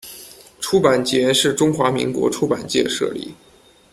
出版节是中华民国出版界设立。